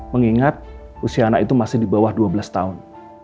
mengingat usia anak itu masih di bawah dua belas tahun